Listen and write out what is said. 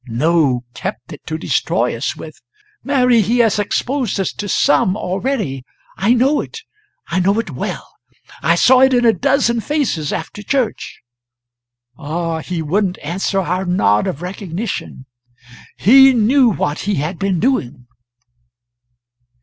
"No kept it to destroy us with. Mary, he has exposed us to some already. I know it I know it well. I saw it in a dozen faces after church. Ah, he wouldn't answer our nod of recognition he knew what he had been doing!"